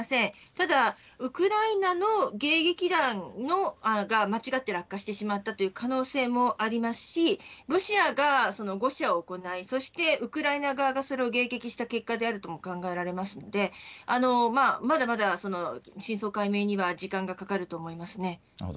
ただウクライナの迎撃弾が間違って落下してしまったという可能性もありますしロシアが誤射を行い、ウクライナ側がそれを迎撃した可能性もありますので、まだまだ真相解明には時間がかかると思います。